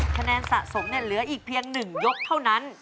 คะแนนสะสมเหลืออีกเพียง๑ยกเท่านั้น